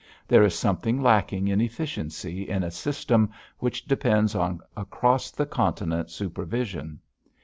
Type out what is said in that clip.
There is something lacking in efficiency in a system which depends on across the continent supervision.